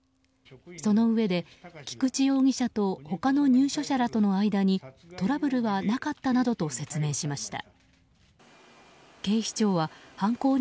そのうえで菊池容疑者と他の入所者らとの間にトラブルはなかったなどと説明しました。